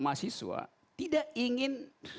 mahasiswa tidak ingin